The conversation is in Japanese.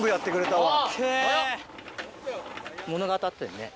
物語ってるね。